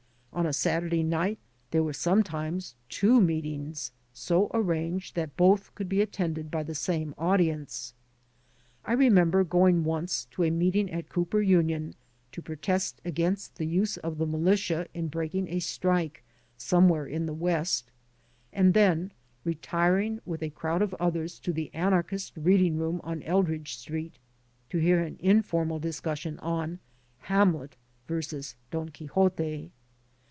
On a Saturday night there were sometimes 147 AN AMERICAN IN THE MAKING two meetings so arranged that both could be attended by the same audience. I remember going once to a meeting at Cooper Union to protest against the use of the militia in breaking a strike somewhere in the West, and then retiring with a crowd of others to the anarchist reading room on Eldridge Street to hear an informal discussion on ^^ Hamlet versus Don Quixote."